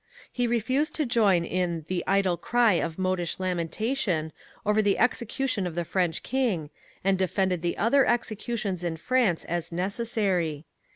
He refused to join in "the idle Cry of modish lamentation" over the execution of the French King, and defended the other executions in France as necessary.